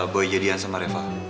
boy jadian sama reva